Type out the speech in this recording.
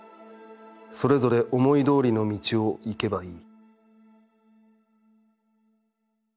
それぞれ思い通りの道を行けばいい」。